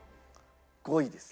５位です。